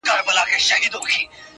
• څوك به اخلي د پېړيو كساتونه,